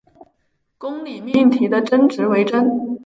公理命题的真值为真。